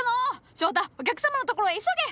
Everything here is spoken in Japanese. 翔太お客様のところへ急げ！